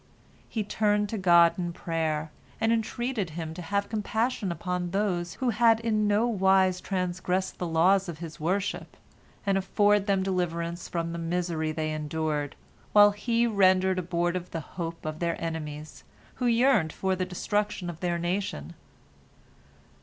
He turned to God in prayer, and entreated Him to have compassion upon those who had in no wise transgressed the laws of His worship, and afford them deliverance from the misery they endured, while He rendered abortive the hope of their enemies, who yearned for the destruction of their nation.